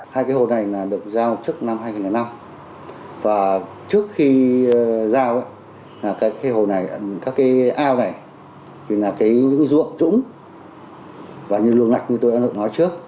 hai cái hồ này là được giao trước năm hai nghìn năm và trước khi giao các cái ao này là những ruộng trũng và những lưu lạc như tôi đã nói trước